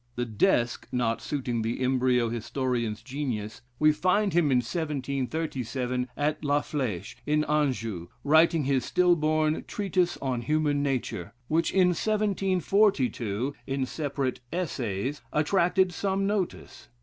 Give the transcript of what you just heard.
The "desk" not suiting the embryo historian's genius, we find him in 1737 at La Flèche, in Anjou, writing his still born "Treatise on Human Nature;" which in 1742, in separate Essays, attracted some notice.